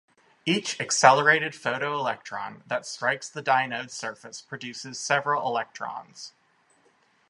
Each accelerated photoelectron that strikes the dynode surface produces several electrons.